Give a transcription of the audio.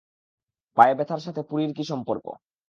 পায়ে ব্যথার সাথে পুরীর কী সম্পর্ক?